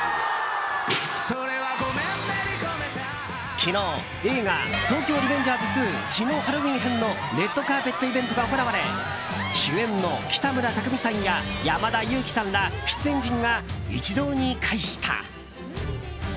昨日映画「東京リベンジャーズ２血のハロウィン編」のレッドカーペットイベントが行われ主演の北村匠海さんや山田裕貴さんら出演陣が一堂に会した。